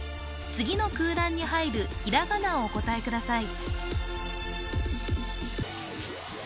次の空欄に入るひらがなをお答えください